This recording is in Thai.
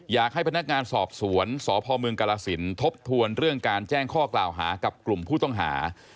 อยากให้พนักงานสอบสวนสพเมืองกรสินทบทวนเรื่องการแจ้งข้อกล่าวหากับกลุ่มผู้ต้องหา